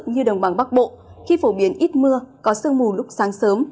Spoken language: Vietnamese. như đồng bằng bắc bộ khi phổ biến ít mưa có sương mù lúc sáng sớm